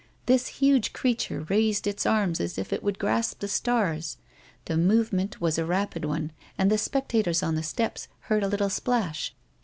This huge creature raised its arms as i f it would grasp the stars ; the movement was a rapid one, and the spectators on the steps heard a little splash.